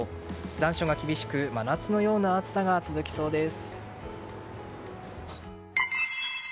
残暑が厳しく真夏のような暑さが続きそうです。